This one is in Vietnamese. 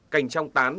cành trong tán